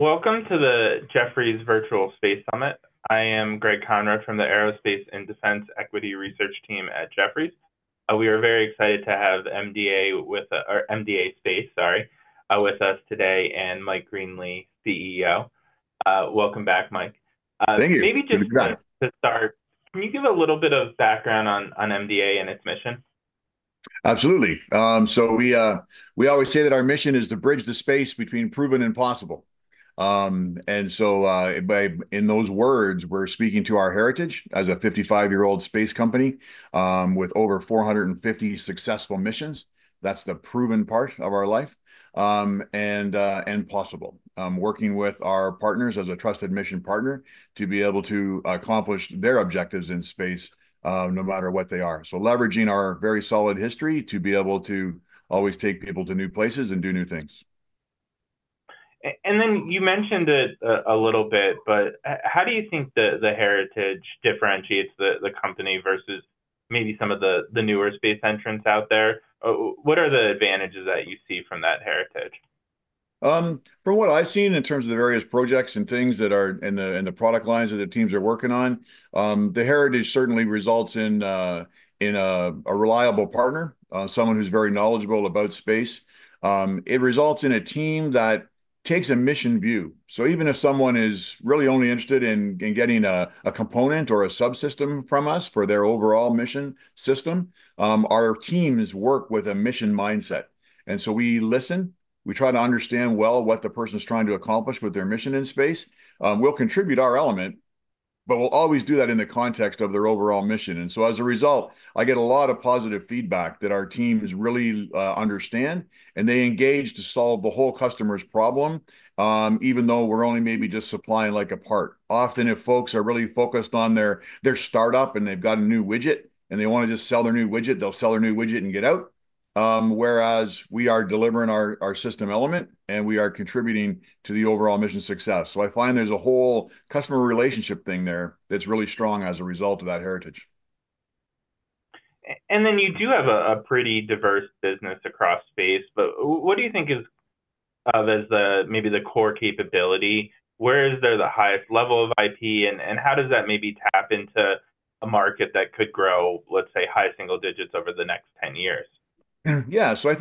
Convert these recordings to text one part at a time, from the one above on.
Welcome to the Jefferies Virtual Space Summit. I am Greg Konrad from the Aerospace and Defense Equity Research Team at Jefferies. We are very excited to have MDA Space, sorry, with us today, and Mike Greenley, CEO. Welcome back, Mike. Thank you. Maybe just to start, can you give a little bit of background on MDA and its mission? Absolutely. So we always say that our mission is to bridge the space between proven and possible. And so in those words, we're speaking to our heritage as a 55-year-old space company with over 450 successful missions. That's the proven part of our life and possible. Working with our partners as a trusted mission partner to be able to accomplish their objectives in space no matter what they are. So leveraging our very solid history to be able to always take people to new places and do new things. And then you mentioned it a little bit, but how do you think the heritage differentiates the company versus maybe some of the newer space entrants out there? What are the advantages that you see from that heritage? From what I've seen in terms of the various projects and things that are in the product lines that the teams are working on, the heritage certainly results in a reliable partner, someone who's very knowledgeable about space. It results in a team that takes a mission view. So even if someone is really only interested in getting a component or a subsystem from us for their overall mission system, our teams work with a mission mindset. And so we listen. We try to understand well what the person is trying to accomplish with their mission in space. We'll contribute our element, but we'll always do that in the context of their overall mission. And so as a result, I get a lot of positive feedback that our teams really understand, and they engage to solve the whole customer's problem, even though we're only maybe just supplying like a part. Often, if folks are really focused on their startup and they've got a new widget and they want to just sell their new widget, they'll sell their new widget and get out. Whereas we are delivering our system element and we are contributing to the overall mission success. So I find there's a whole customer relationship thing there that's really strong as a result of that heritage. You do have a pretty diverse business across space, but what do you think is maybe the core capability? Where is there the highest level of IP and how does that maybe tap into a market that could grow, let's say, high single digits over the next 10 years? Yeah. So I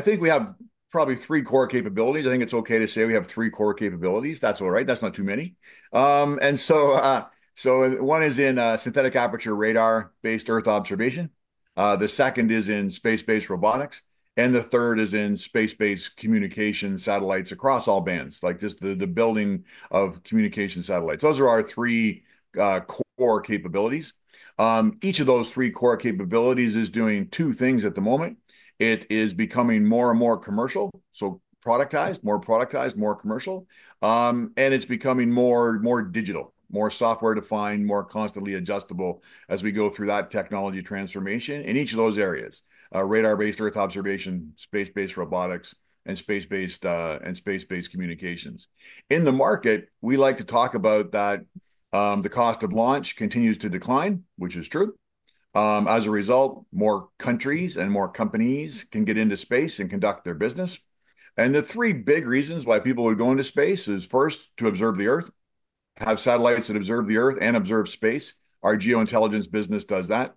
think we have probably three core capabilities. I think it's okay to say we have three core capabilities. That's all right. That's not too many. So one is in synthetic aperture radar-based Earth observation. The second is in space-based robotics. And the third is in space-based communication satellites across all bands, like just the building of communication satellites. Those are our three core capabilities. Each of those three core capabilities is doing two things at the moment. It is becoming more and more commercial, so productized, more productized, more commercial. And it's becoming more digital, more software-defined, more constantly adjustable as we go through that technology transformation in each of those areas: radar-based Earth observation, space-based robotics, and space-based communications. In the market, we like to talk about that the cost of launch continues to decline, which is true. As a result, more countries and more companies can get into space and conduct their business. The three big reasons why people would go into space is first, to observe the Earth, have satellites that observe the Earth and observe space. Our geointelligence business does that.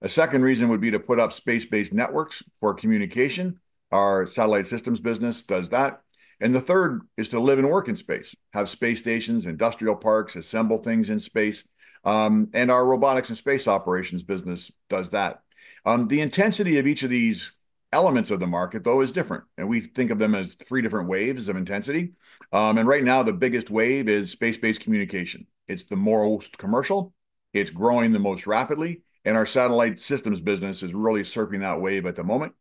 A second reason would be to put up space-based networks for communication. Our satellite systems business does that. The third is to live and work in space, have space stations, industrial parks, assemble things in space. Our robotics and space operations business does that. The intensity of each of these elements of the market, though, is different. We think of them as three different waves of intensity. Right now, the biggest wave is space-based communication. It's the most commercial. It's growing the most rapidly. Our satellite systems business is really surfing that wave at the moment.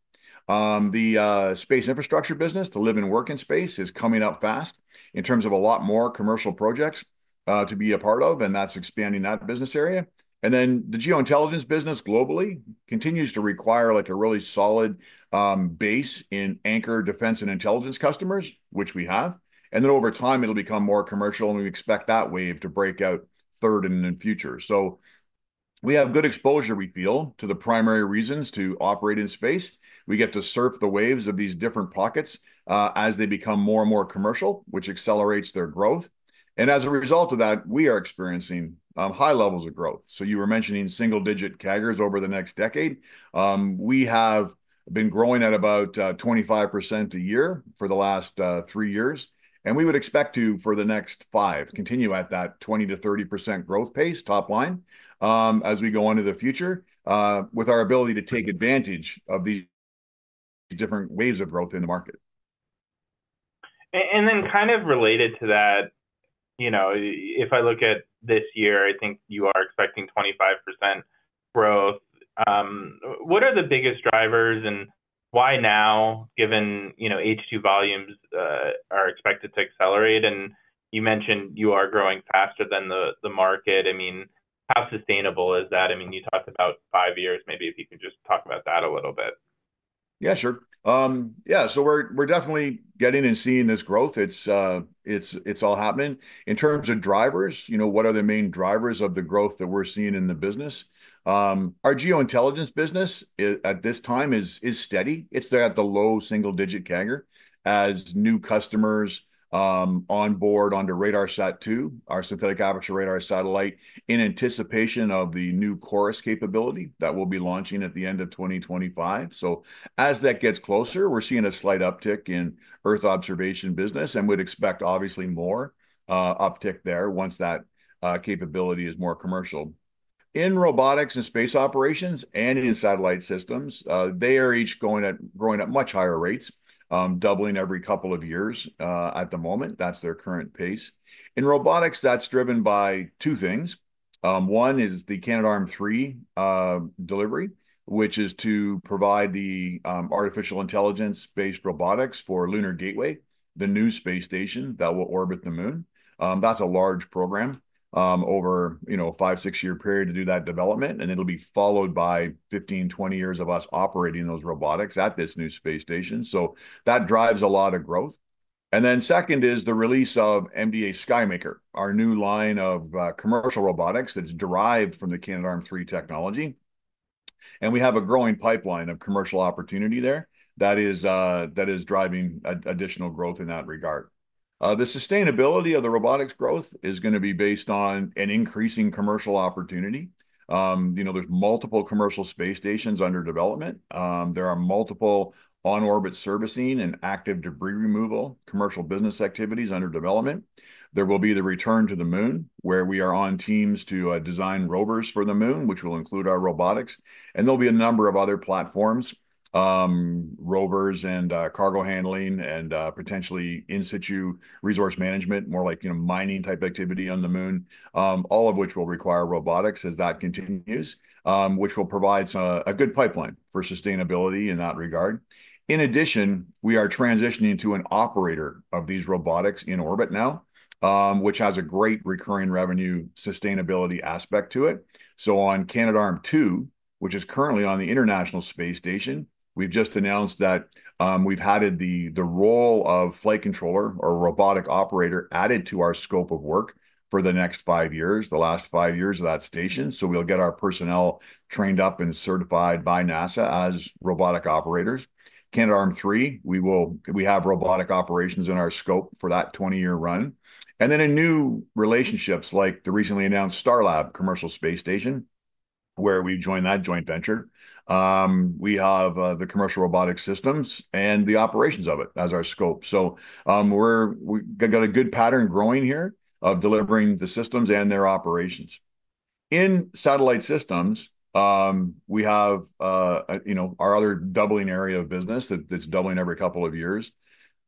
The space infrastructure business, to live and work in space, is coming up fast in terms of a lot more commercial projects to be a part of, and that's expanding that business area. And then the geointelligence business globally continues to require a really solid base in anchor defense and intelligence customers, which we have. And then over time, it'll become more commercial, and we expect that wave to break out third and in future. So we have good exposure, we feel, to the primary reasons to operate in space. We get to surf the waves of these different pockets as they become more and more commercial, which accelerates their growth. And as a result of that, we are experiencing high levels of growth. So you were mentioning single-digit CAGRs over the next decade. We have been growing at about 25% a year for the last three years. We would expect to, for the next 5, continue at that 20%-30% growth pace top line as we go into the future with our ability to take advantage of these different waves of growth in the market. And then kind of related to that, if I look at this year, I think you are expecting 25% growth. What are the biggest drivers and why now, given H2 volumes are expected to accelerate? And you mentioned you are growing faster than the market. I mean, how sustainable is that? I mean, you talked about five years. Maybe if you can just talk about that a little bit. Yeah, sure. Yeah. So we're definitely getting and seeing this growth. It's all happening. In terms of drivers, what are the main drivers of the growth that we're seeing in the business? Our geointelligence business at this time is steady. It's at the low single-digit CAGR as new customers onboard onto RADARSAT-2, our synthetic aperture radar satellite, in anticipation of the new CHORUS capability that will be launching at the end of 2025. So as that gets closer, we're seeing a slight uptick in Earth observation business, and we'd expect, obviously, more uptick there once that capability is more commercial. In robotics and space operations and in satellite systems, they are each growing at much higher rates, doubling every couple of years at the moment. That's their current pace. In robotics, that's driven by two things. One is the Canadarm3 delivery, which is to provide the artificial intelligence-based robotics for Lunar Gateway, the new space station that will orbit the moon. That's a large program over a 5-6-year period to do that development. And it'll be followed by 15-20 years of us operating those robotics at this new space station. So that drives a lot of growth. And then second is the release of MDA SkyMaker, our new line of commercial robotics that's derived from the Canadarm3 technology. And we have a growing pipeline of commercial opportunity there that is driving additional growth in that regard. The sustainability of the robotics growth is going to be based on an increasing commercial opportunity. There's multiple commercial space stations under development. There are multiple on-orbit servicing and active debris removal commercial business activities under development. There will be the return to the Moon, where we are on teams to design rovers for the Moon, which will include our robotics. There'll be a number of other platforms, rovers and cargo handling and potentially in-situ resource management, more like mining type activity on the Moon, all of which will require robotics as that continues, which will provide a good pipeline for sustainability in that regard. In addition, we are transitioning to an operator of these robotics in orbit now, which has a great recurring revenue sustainability aspect to it. On Canadarm2, which is currently on the International Space Station, we've just announced that we've added the role of flight controller or robotic operator added to our scope of work for the next 5 years, the last 5 years of that station. We'll get our personnel trained up and certified by NASA as robotic operators. Canadarm3, we have robotic operations in our scope for that 20-year run. Then in new relationships, like the recently announced Starlab commercial space station, where we join that joint venture, we have the commercial robotic systems and the operations of it as our scope. So we've got a good pattern growing here of delivering the systems and their operations. In satellite systems, we have our other doubling area of business that's doubling every couple of years,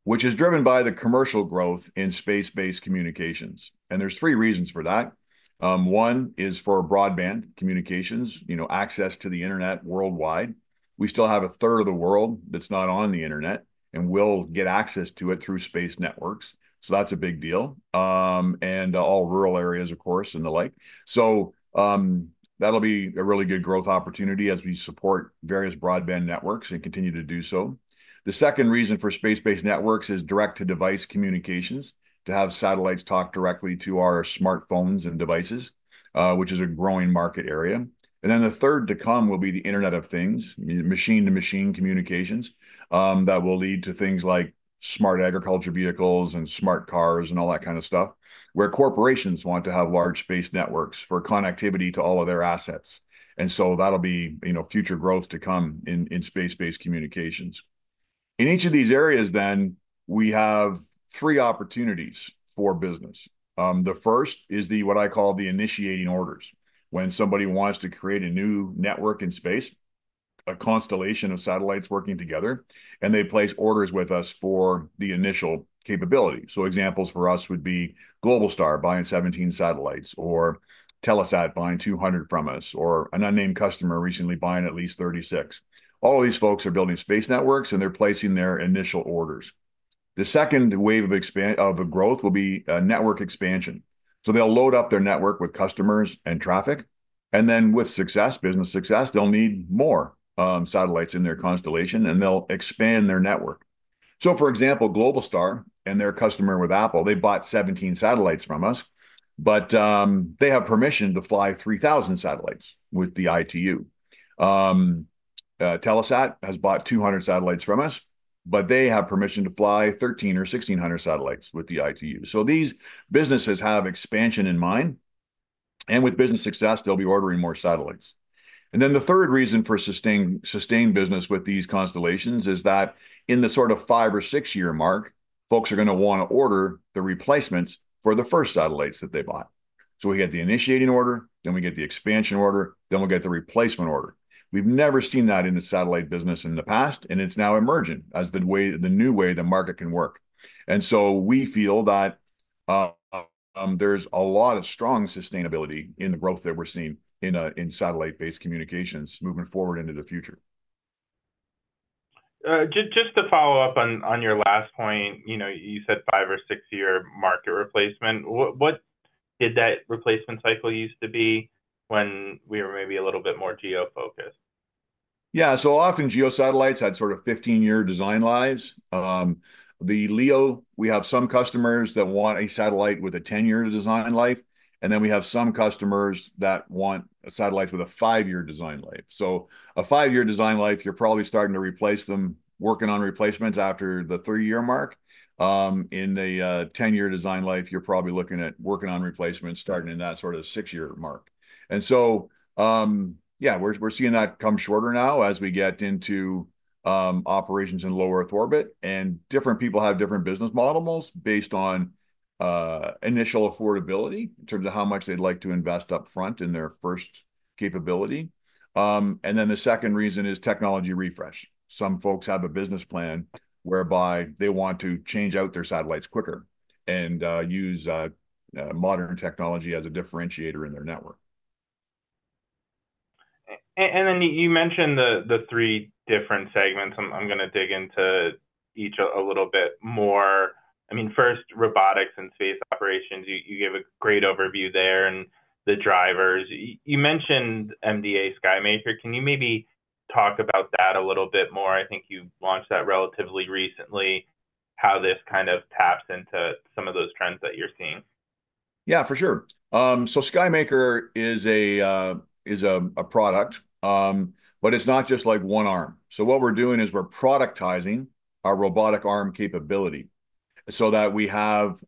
which is driven by the commercial growth in space-based communications. And there's three reasons for that. One is for broadband communications, access to the internet worldwide. We still have a third of the world that's not on the internet, and we'll get access to it through space networks. So that's a big deal. And all rural areas, of course, and the like. So that'll be a really good growth opportunity as we support various broadband networks and continue to do so. The second reason for space-based networks is direct-to-device communications, to have satellites talk directly to our smartphones and devices, which is a growing market area. And then the third to come will be the internet of things, machine-to-machine communications that will lead to things like smart agriculture vehicles and smart cars and all that kind of stuff, where corporations want to have large space networks for connectivity to all of their assets. And so that'll be future growth to come in space-based communications. In each of these areas, then, we have three opportunities for business. The first is what I call the initiating orders, when somebody wants to create a new network in space, a constellation of satellites working together, and they place orders with us for the initial capability. So examples for us would be Globalstar buying 17 satellites or Telesat buying 200 from us or an unnamed customer recently buying at least 36. All of these folks are building space networks, and they're placing their initial orders. The second wave of growth will be network expansion. So they'll load up their network with customers and traffic. And then with success, business success, they'll need more satellites in their constellation, and they'll expand their network. So for example, Globalstar and their customer with Apple, they bought 17 satellites from us, but they have permission to fly 3,000 satellites with the ITU. Telesat has bought 200 satellites from us, but they have permission to fly 1,300 or 1,600 satellites with the ITU. So these businesses have expansion in mind. And with business success, they'll be ordering more satellites. The third reason for sustained business with these constellations is that in the sort of 5- or 6-year mark, folks are going to want to order the replacements for the first satellites that they bought. We get the initiating order, then we get the expansion order, then we'll get the replacement order. We've never seen that in the satellite business in the past, and it's now emerging as the new way the market can work. We feel that there's a lot of strong sustainability in the growth that we're seeing in satellite-based communications moving forward into the future. Just to follow up on your last point, you said 5- or 6-year market replacement. What did that replacement cycle used to be when we were maybe a little bit more GEO-focused? Yeah. So often geo satellites had sort of 15-year design lives. The LEO, we have some customers that want a satellite with a 10-year design life. And then we have some customers that want satellites with a 5-year design life. So a 5-year design life, you're probably starting to replace them, working on replacements after the 3-year mark. In the 10-year design life, you're probably looking at working on replacements, starting in that sort of 6-year mark. And so, yeah, we're seeing that come shorter now as we get into operations in low Earth orbit. And different people have different business models based on initial affordability in terms of how much they'd like to invest upfront in their first capability. And then the second reason is technology refresh. Some folks have a business plan whereby they want to change out their satellites quicker and use modern technology as a differentiator in their network. Then you mentioned the three different segments. I'm going to dig into each a little bit more. I mean, first, robotics and space operations. You gave a great overview there and the drivers. You mentioned MDA SkyMaker. Can you maybe talk about that a little bit more? I think you launched that relatively recently, how this kind of taps into some of those trends that you're seeing. Yeah, for sure. So SkyMaker is a product, but it's not just like one arm. So what we're doing is we're productizing our robotic arm capability so that we have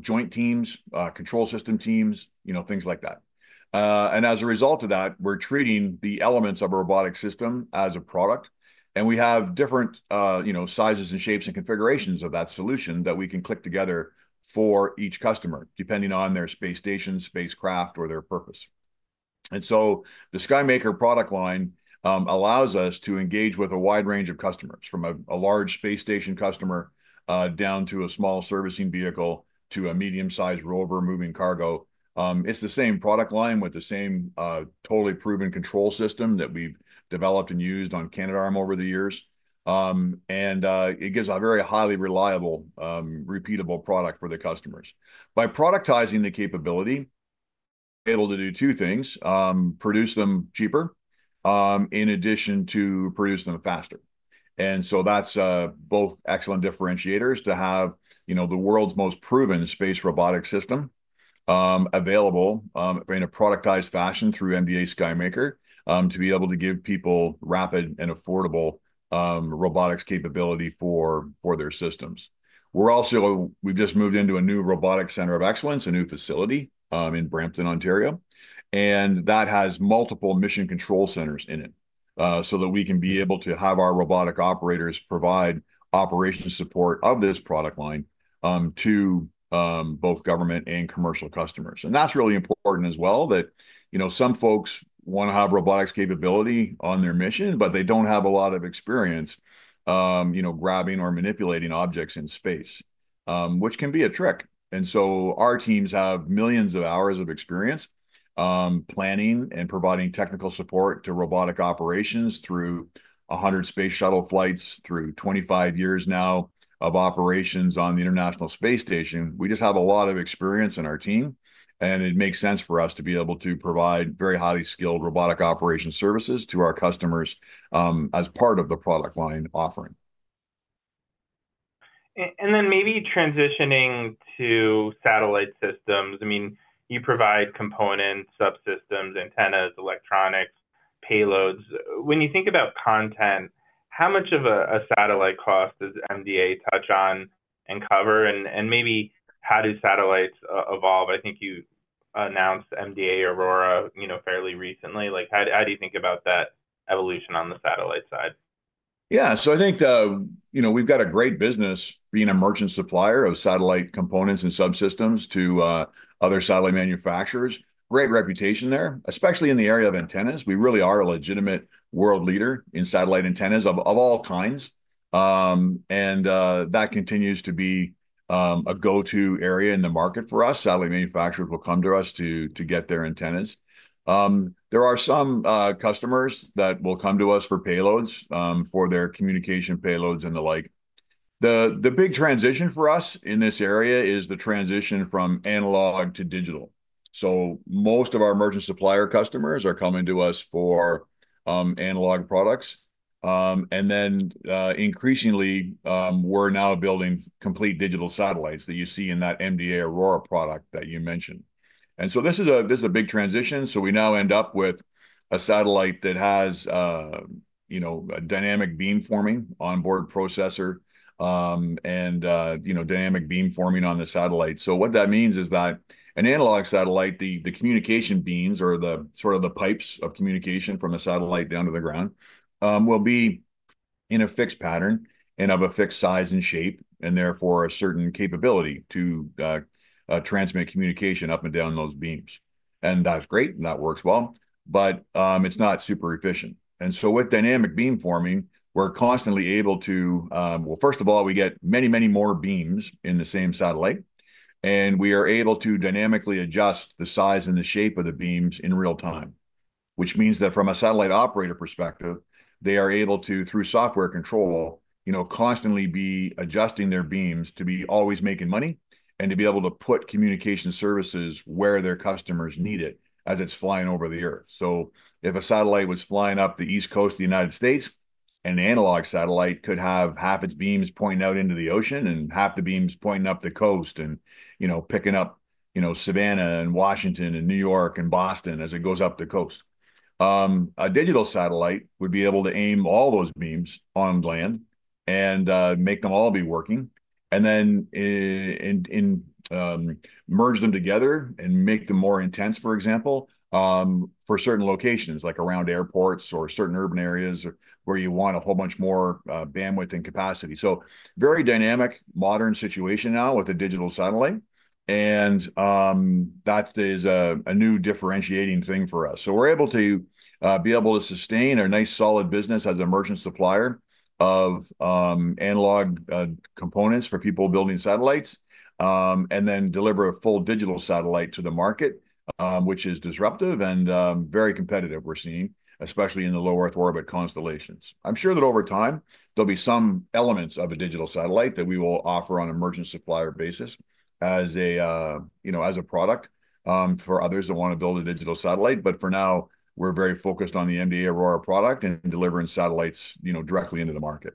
joint teams, control system teams, things like that. And as a result of that, we're treating the elements of a robotic system as a product. And we have different sizes and shapes and configurations of that solution that we can click together for each customer depending on their space station, spacecraft, or their purpose. And so the SkyMaker product line allows us to engage with a wide range of customers from a large space station customer down to a small servicing vehicle to a medium-sized rover moving cargo. It's the same product line with the same totally proven control system that we've developed and used on Canadarm over the years. It gives a very highly reliable, repeatable product for the customers. By productizing the capability, we're able to do two things: produce them cheaper in addition to produce them faster. And so that's both excellent differentiators to have the world's most proven space robotic system available in a productized fashion through MDA SkyMaker to be able to give people rapid and affordable robotics capability for their systems. We've just moved into a new robotic center of excellence, a new facility in Brampton, Ontario. That has multiple mission control centers in it so that we can be able to have our robotic operators provide operation support of this product line to both government and commercial customers. That's really important as well that some folks want to have robotics capability on their mission, but they don't have a lot of experience grabbing or manipulating objects in space, which can be a trick. So our teams have millions of hours of experience planning and providing technical support to robotic operations through 100 Space Shuttle flights, through 25 years now of operations on the International Space Station. We just have a lot of experience in our team. It makes sense for us to be able to provide very highly skilled robotic operation services to our customers as part of the product line offering. Then maybe transitioning to satellite systems. I mean, you provide components, subsystems, antennas, electronics, payloads. When you think about content, how much of a satellite cost does MDA touch on and cover? And maybe how do satellites evolve? I think you announced MDA AURORA fairly recently. How do you think about that evolution on the satellite side? Yeah. So I think we've got a great business being a merchant supplier of satellite components and subsystems to other satellite manufacturers. Great reputation there, especially in the area of antennas. We really are a legitimate world leader in satellite antennas of all kinds. And that continues to be a go-to area in the market for us. Satellite manufacturers will come to us to get their antennas. There are some customers that will come to us for payloads for their communication payloads and the like. The big transition for us in this area is the transition from analog to digital. So most of our merchant supplier customers are coming to us for analog products. And then increasingly, we're now building complete digital satellites that you see in that MDA AURORA product that you mentioned. And so this is a big transition. So we now end up with a satellite that has a dynamic beamforming onboard processor and dynamic beamforming on the satellite. So what that means is that an analog satellite, the communication beams or the sort of the pipes of communication from the satellite down to the ground will be in a fixed pattern and of a fixed size and shape and therefore a certain capability to transmit communication up and down those beams. And that's great. That works well. But it's not super efficient. And so with dynamic beamforming, we're constantly able to, well, first of all, we get many, many more beams in the same satellite. And we are able to dynamically adjust the size and the shape of the beams in real time, which means that from a satellite operator perspective, they are able to, through software control, constantly be adjusting their beams to be always making money and to be able to put communication services where their customers need it as it's flying over the Earth. So if a satellite was flying up the East Coast of the United States, an analog satellite could have half its beams pointing out into the ocean and half the beams pointing up the coast and picking up Savannah and Washington and New York and Boston as it goes up the coast. A digital satellite would be able to aim all those beams on land and make them all be working and then merge them together and make them more intense, for example, for certain locations like around airports or certain urban areas where you want a whole bunch more bandwidth and capacity. So very dynamic, modern situation now with a digital satellite. And that is a new differentiating thing for us. So we're able to be able to sustain a nice solid business as a merchant supplier of analog components for people building satellites and then deliver a full digital satellite to the market, which is disruptive and very competitive we're seeing, especially in the low Earth orbit constellations. I'm sure that over time, there'll be some elements of a digital satellite that we will offer on a merchant supplier basis as a product for others that want to build a digital satellite. But for now, we're very focused on the MDA AURORA product and delivering satellites directly into the market.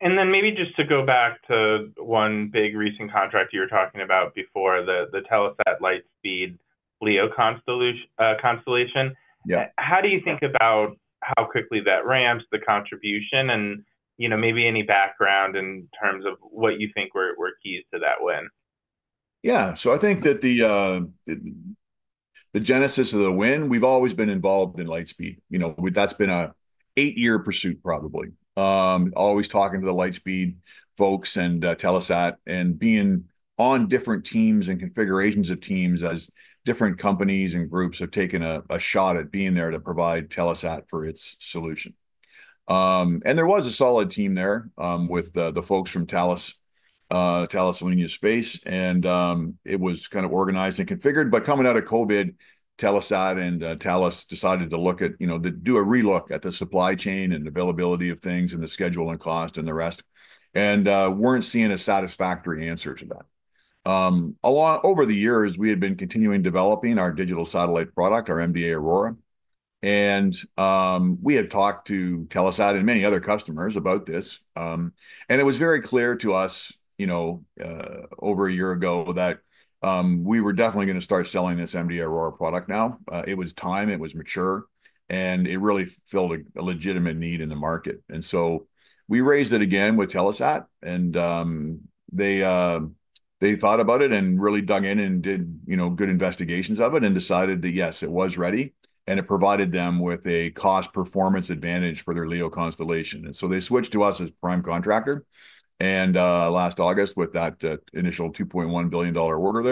Then maybe just to go back to one big recent contract you were talking about before, the Telesat Lightspeed LEO constellation. How do you think about how quickly that ramps, the contribution, and maybe any background in terms of what you think were keys to that win? Yeah. So I think that the genesis of the win, we've always been involved in Lightspeed. That's been an 8-year pursuit, probably. Always talking to the Lightspeed folks and Telesat and being on different teams and configurations of teams as different companies and groups have taken a shot at being there to provide Telesat for its solution. And there was a solid team there with the folks from Thales Alenia Space. And it was kind of organized and configured. But coming out of COVID, Telesat and Thales decided to look at do a relook at the supply chain and availability of things and the schedule and cost and the rest and weren't seeing a satisfactory answer to that. Over the years, we had been continuing developing our digital satellite product, our MDA AURORA. And we had talked to Telesat and many other customers about this. It was very clear to us over a year ago that we were definitely going to start selling this MDA AURORA product now. It was time. It was mature. It really filled a legitimate need in the market. So we raised it again with Telesat. They thought about it and really dug in and did good investigations of it and decided that, yes, it was ready. It provided them with a cost performance advantage for their LEO constellation. So they switched to us as prime contractor last August with that initial $2.1 billion order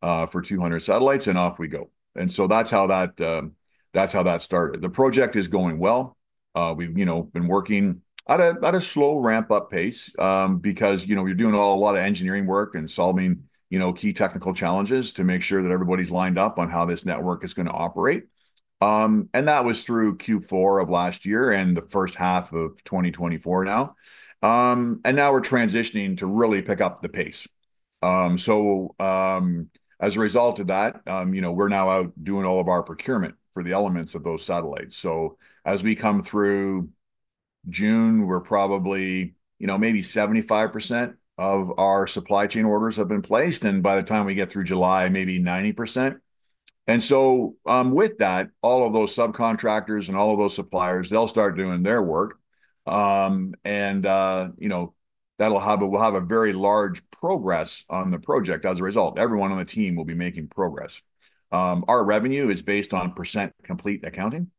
there for 200 satellites. Off we go. So that's how that started. The project is going well. We've been working at a slow ramp-up pace because we're doing a lot of engineering work and solving key technical challenges to make sure that everybody's lined up on how this network is going to operate. That was through Q4 of last year and the first half of 2024 now. Now we're transitioning to really pick up the pace. As a result of that, we're now out doing all of our procurement for the elements of those satellites. As we come through June, we're probably maybe 75% of our supply chain orders have been placed. By the time we get through July, maybe 90%. With that, all of those subcontractors and all of those suppliers, they'll start doing their work. That'll have a very large progress on the project as a result. Everyone on the team will be making progress. Our revenue is based on percent-complete accounting.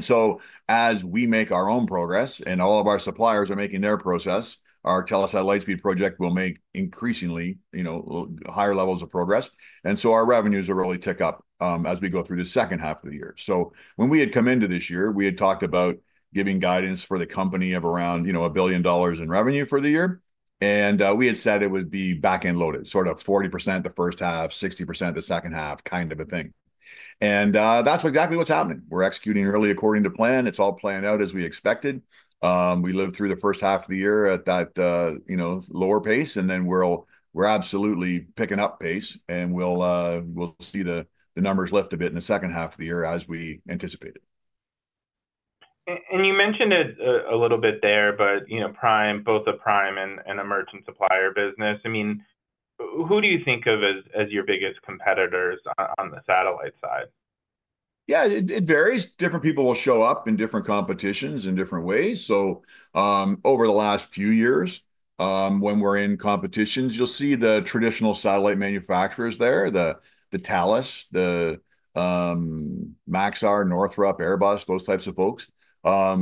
So as we make our own progress and all of our suppliers are making their progress, our Telesat Lightspeed project will make increasingly higher levels of progress. So our revenues will really tick up as we go through the second half of the year. When we had come into this year, we had talked about giving guidance for the company of around $1 billion in revenue for the year. We had said it would be back-end loaded, sort of 40% the first half, 60% the second half kind of a thing. That's exactly what's happening. We're executing early according to plan. It's all planned out as we expected. We lived through the first half of the year at that lower pace. Then we're absolutely picking up pace. We'll see the numbers lift a bit in the second half of the year as we anticipated. You mentioned it a little bit there, but both the prime and a merchant supplier business. I mean, who do you think of as your biggest competitors on the satellite side? Yeah, it varies. Different people will show up in different competitions in different ways. So over the last few years, when we're in competitions, you'll see the traditional satellite manufacturers there, the Telesat, the Maxar, Northrop, Airbus, those types of folks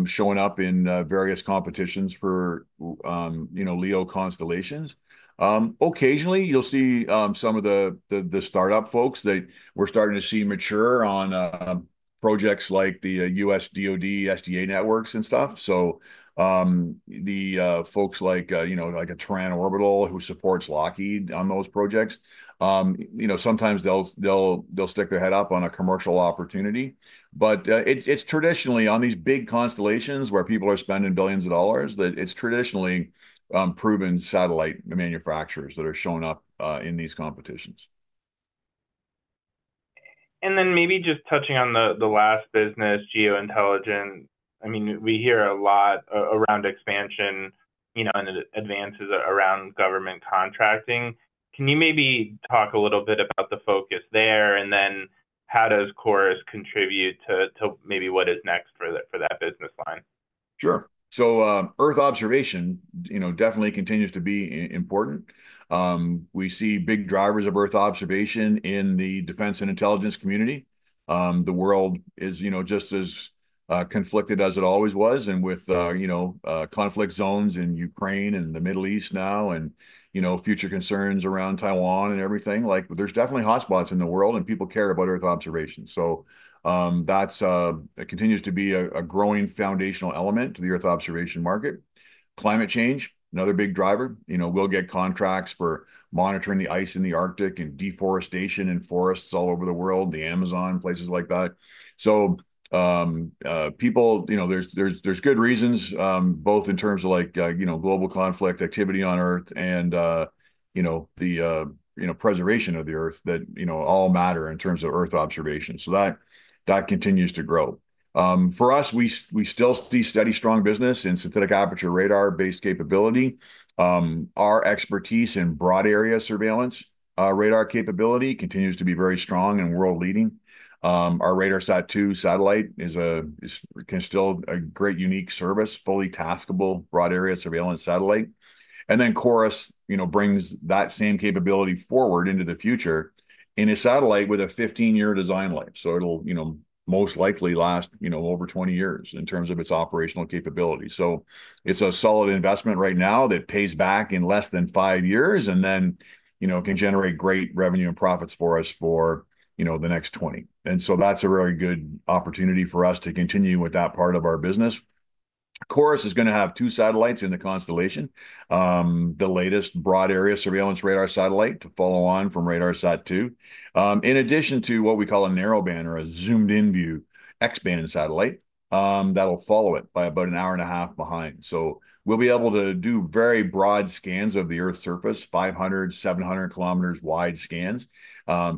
showing up in various competitions for LEO constellations. Occasionally, you'll see some of the startup folks that we're starting to see mature on projects like the U.S. DoD SDA networks and stuff. So the folks like a Terran Orbital who supports Lockheed on those projects, sometimes they'll stick their head up on a commercial opportunity. But it's traditionally on these big constellations where people are spending billions of dollars that it's traditionally proven satellite manufacturers that are showing up in these competitions. And then maybe just touching on the last business, geo-intelligence. I mean, we hear a lot around expansion and advances around government contracting. Can you maybe talk a little bit about the focus there? And then how does CHORUS contribute to maybe what is next for that business line? Sure. So Earth observation definitely continues to be important. We see big drivers of Earth observation in the defense and intelligence community. The world is just as conflicted as it always was. And with conflict zones in Ukraine and the Middle East now and future concerns around Taiwan and everything, there's definitely hotspots in the world and people care about Earth observation. So that continues to be a growing foundational element to the Earth observation market. Climate change, another big driver. We'll get contracts for monitoring the ice in the Arctic and deforestation and forests all over the world, the Amazon, places like that. So people, there's good reasons both in terms of global conflict activity on Earth and the preservation of the Earth that all matter in terms of Earth observation. So that continues to grow. For us, we still see steady, strong business in synthetic aperture radar-based capability. Our expertise in broad area surveillance radar capability continues to be very strong and world-leading. Our RADARSAT-2 satellite can still be a great, unique service, fully taskable broad area surveillance satellite. And then CHORUS brings that same capability forward into the future in a satellite with a 15-year design life. So it'll most likely last over 20 years in terms of its operational capability. So it's a solid investment right now that pays back in less than 5 years and then can generate great revenue and profits for us for the next 20. And so that's a really good opportunity for us to continue with that part of our business. CHORUS is going to have 2 satellites in the constellation, the latest broad area surveillance radar satellite to follow on from RADARSAT-2, in addition to what we call a narrowband or a zoomed-in view, X-band satellite that'll follow it by about 1.5 hours behind. So we'll be able to do very broad scans of the Earth's surface, 500-700 km wide scans,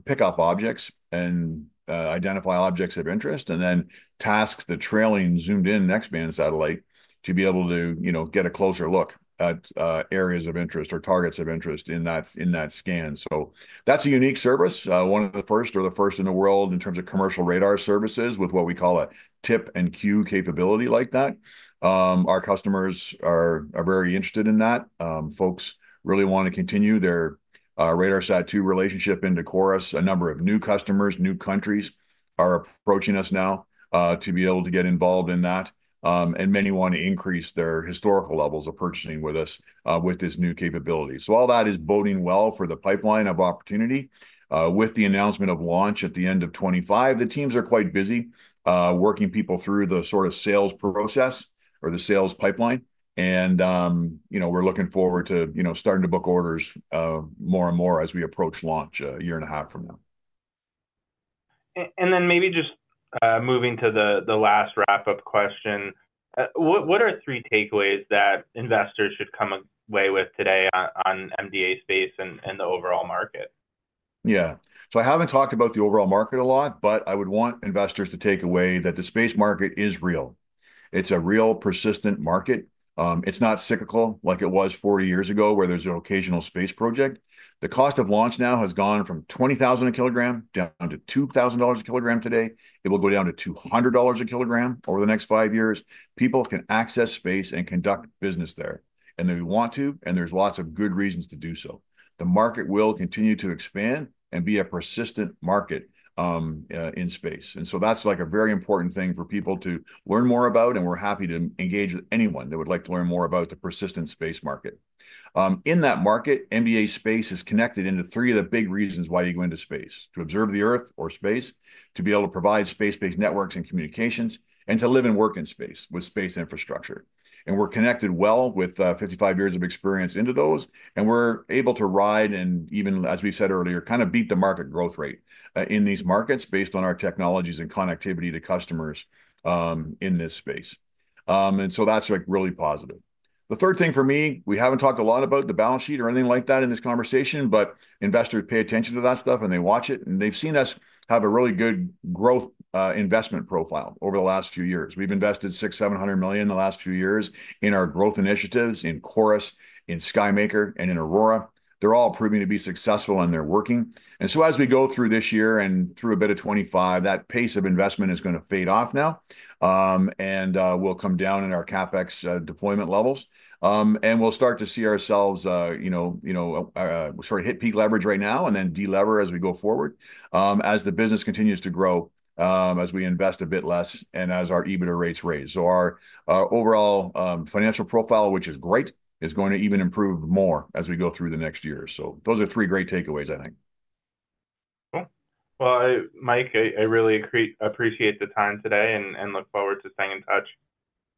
pick up objects and identify objects of interest, and then task the trailing zoomed-in X-band satellite to be able to get a closer look at areas of interest or targets of interest in that scan. So that's a unique service, one of the first or the first in the world in terms of commercial radar services with what we call a tip and cue capability like that. Our customers are very interested in that. Folks really want to continue their RADARSAT-2 relationship into CHORUS. A number of new customers, new countries are approaching us now to be able to get involved in that. Many want to increase their historical levels of purchasing with us with this new capability. All that is boding well for the pipeline of opportunity. With the announcement of launch at the end of 2025, the teams are quite busy working people through the sort of sales process or the sales pipeline. We're looking forward to starting to book orders more and more as we approach launch a year and a half from now. Then maybe just moving to the last wrap-up question, what are three takeaways that investors should come away with today on MDA Space and the overall market? Yeah. So I haven't talked about the overall market a lot, but I would want investors to take away that the space market is real. It's a real, persistent market. It's not cyclical like it was 40 years ago where there's an occasional space project. The cost of launch now has gone from $20,000 a kilogram down to $2,000 a kilogram today. It will go down to $200 a kilogram over the next 5 years. People can access space and conduct business there. And they want to, and there's lots of good reasons to do so. The market will continue to expand and be a persistent market in space. And so that's like a very important thing for people to learn more about. And we're happy to engage with anyone that would like to learn more about the persistent space market. In that market, MDA Space is connected into three of the big reasons why you go into space: to observe the Earth or space, to be able to provide space-based networks and communications, and to live and work in space with space infrastructure. And we're connected well with 55 years of experience into those. And we're able to ride and even, as we said earlier, kind of beat the market growth rate in these markets based on our technologies and connectivity to customers in this space. And so that's really positive. The third thing for me, we haven't talked a lot about the balance sheet or anything like that in this conversation, but investors pay attention to that stuff and they watch it. And they've seen us have a really good growth investment profile over the last few years. We've invested 600 million-700 million in the last few years in our growth initiatives in CHORUS, in SkyMaker, and in AURORA. They're all proving to be successful and they're working. As we go through this year and through a bit of 2025, that pace of investment is going to fade off now. We'll come down in our CapEx deployment levels. We'll start to see ourselves sort of hit peak leverage right now and then delever as we go forward as the business continues to grow, as we invest a bit less, and as our EBITDA rates raise. Our overall financial profile, which is great, is going to even improve more as we go through the next year. Those are three great takeaways, I think. Well, Mike, I really appreciate the time today and look forward to staying in touch.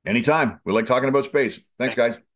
Anytime. We like talking about space. Thanks, guys.